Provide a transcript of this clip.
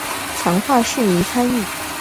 强化市民参与